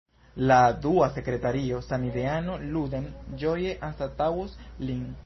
La dua sekretario, samideano Ludem ĝoje anstataŭos lin.